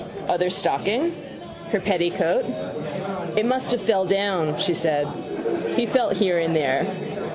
Other stocking. Her petticoat. —It must have fell down, she said. He felt here and there.